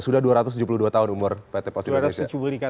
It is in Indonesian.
sudah dua ratus tujuh puluh dua tahun umur pt pos indonesia